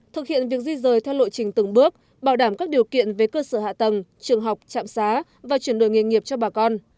thực hiện việc di rời theo lộ trình từng bước bảo đảm các điều kiện về cơ sở hạ tầng trường học trạm xá và chuyển đổi nghề nghiệp cho bà con